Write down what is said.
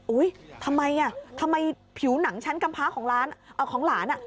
อุ๊ยทำไมน่ะทำไมผิวหนังชั้นกำพร้าของหลาน